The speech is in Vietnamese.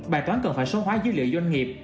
bài toán cần phải số hóa dữ liệu doanh nghiệp